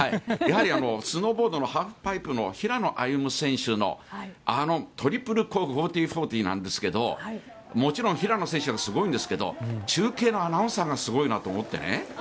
やはりスノーボードのハーフパイプの平野歩夢選手のあのトリプルコーク１４４０なんですがもちろん平野選手はすごいんですけど中継のアナウンサーがすごいなと思ってね。